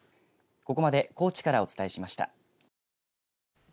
ここまで高知からお伝えしました。